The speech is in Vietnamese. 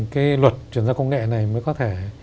cái luật chuyển giao công nghệ này mới có thể